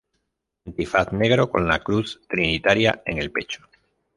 Antifaz negro con la cruz trinitaria en el pecho.